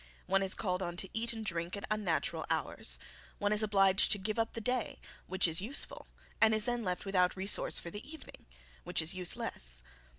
One is called on to eat and drink at unnatural hours. One is obliged to give up the day which is useful, and is then left without resources for the evening which is useless.